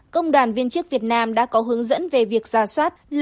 công đoàn viên chức việt nam đã có hướng dẫn về việc giả soát